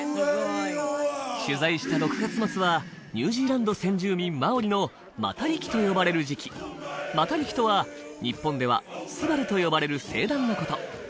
取材した６月末はニュージーランド先住民マオリのマタリキと呼ばれる時期マタリキとは日本ではすばると呼ばれる星団のこと